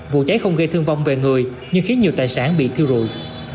vụ cháy không gây thương vong về người nhưng khiến nhiều tài sản bị thiêu rụi